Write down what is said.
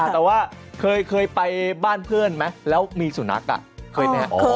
แต่ว่าเคยไปบ้านเพื่อนมั้ยแล้วมีสุนัขอะ